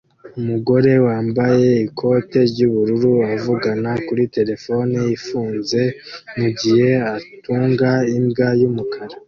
Umugore wambaye ikote ry'ubururu avugana kuri terefone ifunze mugihe atunga imbwa y'umukara